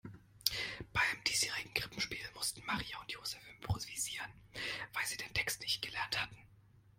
Beim diesjährigen Krippenspiel mussten Maria und Joseph improvisieren, weil sie den Text nicht gelernt hatten.